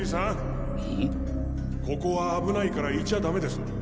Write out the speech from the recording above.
ここは危ないからいちゃダメです！